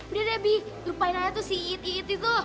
udah debbie lupain aja tuh si ic itu